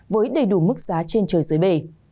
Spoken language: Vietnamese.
với đầy đủ mức giá trên trời dưới bể